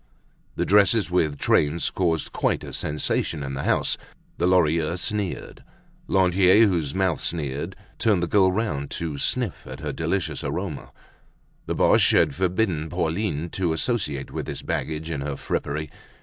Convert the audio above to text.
The dresses with trains caused quite a sensation in the house; the Lorilleuxs sneered; Lantier, whose mouth sneered, turned the girl round to sniff at her delicious aroma; the Boches had forbidden Pauline to associate with this baggage in her frippery.